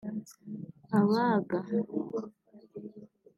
Abaga